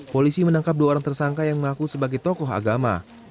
polisi menangkap dua orang tersangka yang mengaku sebagai tokoh agama